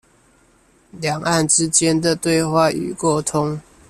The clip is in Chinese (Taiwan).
兩岸之間的對話與溝通